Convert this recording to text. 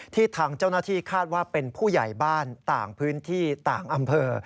ทางเจ้าหน้าที่คาดว่าเป็นผู้ใหญ่บ้านต่างพื้นที่ต่างอำเภอ